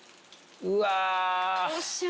うわ。